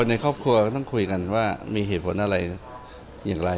ในครอบครัวก็ต้องคุยกันว่ามีเหตุผลอะไรอย่างไร